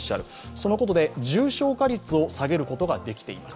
そのことで重症者率を下げることができている。